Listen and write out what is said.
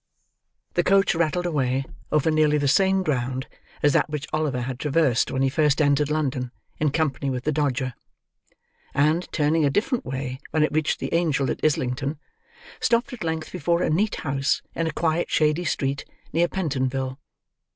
The coach rattled away, over nearly the same ground as that which Oliver had traversed when he first entered London in company with the Dodger; and, turning a different way when it reached the Angel at Islington, stopped at length before a neat house, in a quiet shady street near Pentonville.